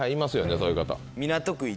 そういう方。